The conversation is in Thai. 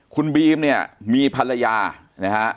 คุณบีมเนี่ยมีภรรยานะฮะ